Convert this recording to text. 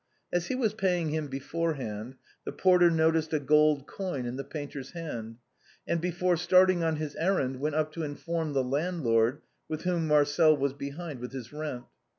As he was paying him be forehand, the porter noticed a gold coin in the painter's hand, and before starting on his errand went up to inform the landlord, with whom Marcel was behind with his rent.